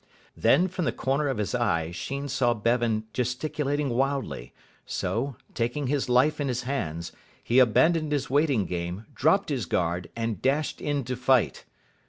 Then from the corner of his eye Sheen saw Bevan gesticulating wildly, so, taking his life in his hands, he abandoned his waiting game, dropped his guard, and dashed in to fight.